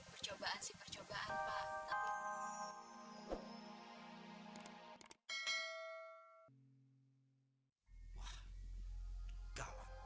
percobaan sih percobaan pak